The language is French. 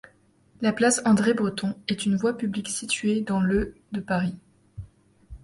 La place André-Breton est une voie publique située dans le de Paris.